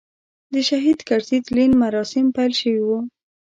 د شهید کرزي تلین مراسیم پیل شوي و.